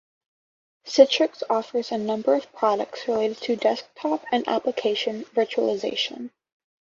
Citrix offers a number of products related to desktop and application virtualization.